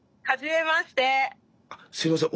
あっすいません。